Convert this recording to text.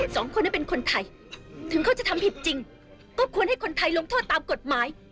สองคนนั้นเป็นคนไทยถึงเขาจะทำผิดจริงก็ควรให้คนไทยลงโทษตามกฎหมาย